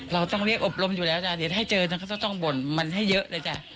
เขาก็ไม่เคยเถียงฉันเลยนะฉันเป็นหัวหน้าเขา